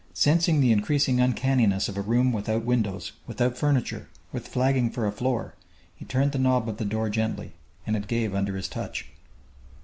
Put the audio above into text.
Sensing the increasing uncanniness of a room without windows, without furniture, with flagging for a floor, he turned the knob of the door gently, and it gave under his touch.